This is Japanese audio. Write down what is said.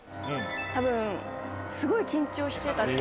多分すごい緊張してたって？